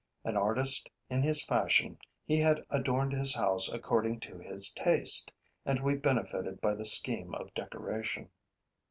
An artist in his fashion, he had adorned his house according to his taste; and we benefited by the scheme of decoration.